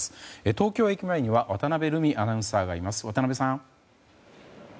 東京駅前には渡辺瑠海アナウンサーがいます。